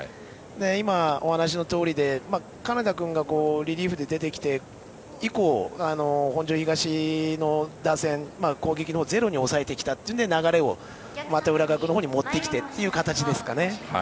今、お話のとおりで金田君がリリーフで出てきて以降本庄東の打線、攻撃もゼロに抑えてきたというので流れをまた浦学のほうに持ってきてという形ですかね。